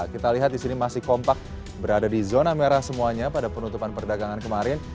kita lihat di sini masih kompak berada di zona merah semuanya pada penutupan perdagangan kemarin